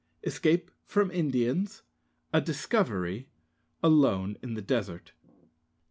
Escape from Indians A discovery Alone in the desert.